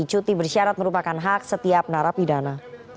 cuti bersyarat merupakan hak setiap narapidana